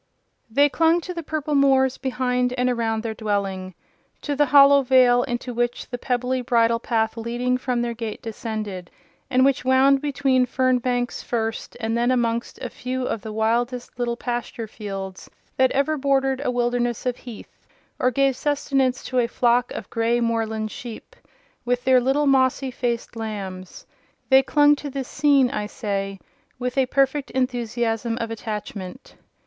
They clung to the purple moors behind and around their dwelling—to the hollow vale into which the pebbly bridle path leading from their gate descended, and which wound between fern banks first, and then amongst a few of the wildest little pasture fields that ever bordered a wilderness of heath, or gave sustenance to a flock of grey moorland sheep, with their little mossy faced lambs:—they clung to this scene, I say, with a perfect enthusiasm of attachment.